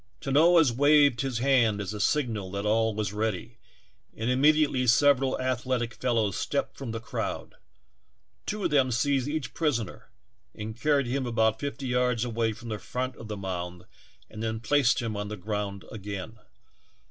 Tanoa waved his hand as a signal that all was ready, and immediately several athletic fellows stepped from the crowd; two of them seized each prisoner and carried him about fifty yards away from the front of the mound and then placed him on the ground again.